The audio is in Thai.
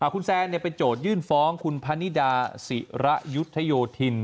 คุณแซนเป็นโจทยื่นฟ้องคุณพนิดาศิระยุทธโยธิน